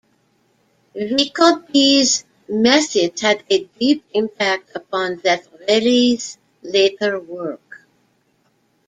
Visconti's methods had a deep impact upon Zeffirelli's later work.